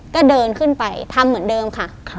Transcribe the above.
ก็เดินขึ้นไปทำเหมือนเดิมค่ะ